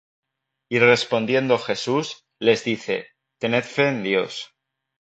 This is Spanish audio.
Y respondiendo Jesús, les dice: Tened fe en Dios.